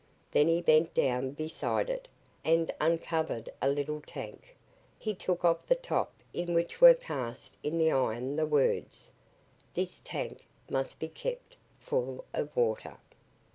Then he bent down beside it and uncovered a little tank. He took off the top on which were cast in the iron the words: "This tank must be kept full of water."